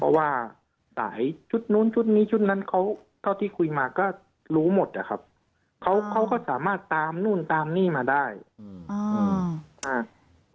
เพราะว่าสายชุดนู้นชุดนี้ชุดนั้นเขาเท่าที่คุยมาก็รู้หมดอะครับเขาเขาก็สามารถตามนู่นตามนี่มาได้อืมอ่า